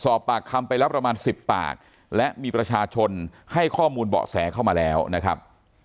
สอบปากคำไปแล้วประมาณสิบปากและมีประชาชนให้ข้อมูลเบาะแสเข้ามาแล้วนะครับ